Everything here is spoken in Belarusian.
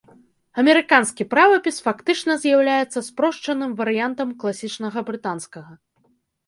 Амерыканскі правапіс фактычна з'яўляецца спрошчаным варыянтам класічнага брытанскага.